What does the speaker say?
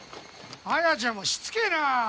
彩ちゃんもしつけえな！